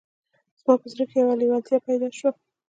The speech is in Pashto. زما په زړه کې یوه لېوالتیا پیدا شوه